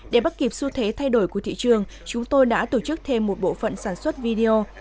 để bắt kịp xu thế thay đổi của thị trường chúng tôi đã tổ chức thêm một bộ phận sản xuất video